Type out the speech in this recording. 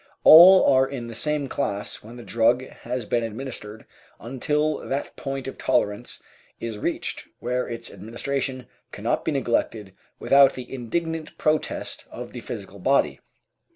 All are in the same class when the drug has been administered until that point of tolerance is reached where its administration cannot be neglected without the indignant protest of the physical body.